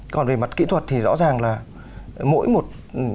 còn về mặt kỹ thuật thì rõ ràng là mỗi một